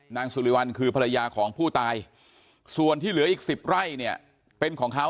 นางสุริวัลคือภรรยาของผู้ตายส่วนที่เหลืออีก๑๐ไร่เนี่ยเป็นของเขา